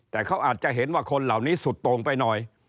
แต่เขาอาจจะเห็นว่าคนเหล่านี้สุดโต่งไปหน่อย